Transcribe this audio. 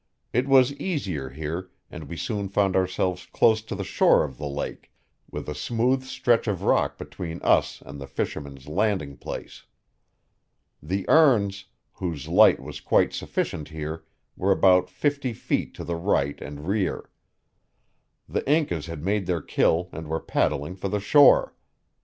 It was easier here, and we soon found ourselves close to the shore of the lake, with a smooth stretch of rock between us and the fisherman's landing place. The urns, whose light was quite sufficient here, were about fifty feet to the right and rear. The Incas had made their kill and were paddling for the shore.